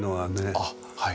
あっはい。